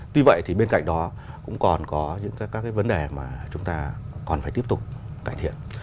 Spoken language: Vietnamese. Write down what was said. tuy vậy bên cạnh đó cũng còn có những vấn đề mà chúng ta còn phải tiếp tục cải thiện